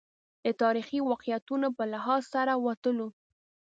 د تاریخي واقعیتونو په لحاظ سره وتلو.